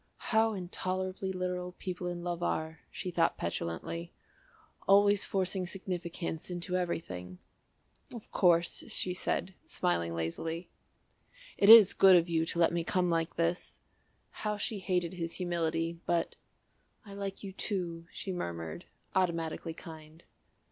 "How intolerably literal people in love are," she thought petulantly; "always forcing significance into everything." "Of course," she said, smiling lazily. "It is good of you to let me come like this." How she hated his humility, but "I like you to," she murmured, automatically kind.